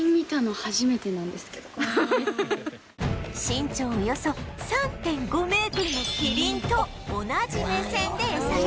身長およそ ３．５ メートルのキリンと同じ目線で餌やり